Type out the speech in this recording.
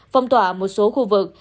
phong tỏa một số khu vực